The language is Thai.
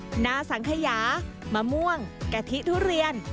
หน้าสังขยามะม่วงกะทิทุเรียน